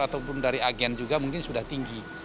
ataupun dari agen juga mungkin sudah tinggi